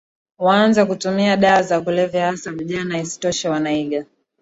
waanze kutumia dawa za kulevya hasa vijana Isitoshe wanaiga